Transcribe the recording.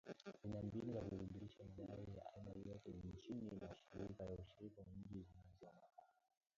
zina mbinu za kuthibitisha madai ya aina yoyote chini ya ushirika wa nchi za maziwa makuu